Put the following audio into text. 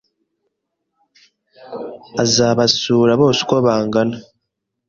Azabasura bose uko bangana